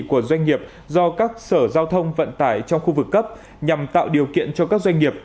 của doanh nghiệp do các sở giao thông vận tải trong khu vực cấp nhằm tạo điều kiện cho các doanh nghiệp